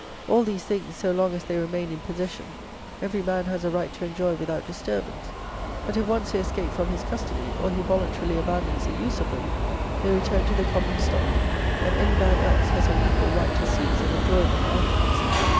"All these things, so long as they remain in possession, every man has a right to enjoy without disturbance; but if once they escape from his custody, or he voluntarily abandons the use of them, they return to the common stock, and any man else has an equal right to seize and enjoy them afterwards."